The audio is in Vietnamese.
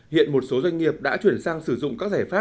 hiện một số doanh nghiệp đã chuyển sang sử dụng các giải pháp